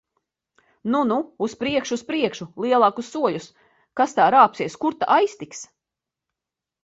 Nu, nu! Uz priekšu! Uz priekšu! Lielākus soļus! Kas tā rāpsies! Kur ta aiztiks!